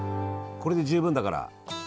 これで十分だから。